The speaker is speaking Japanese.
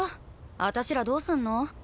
私らどうすんの？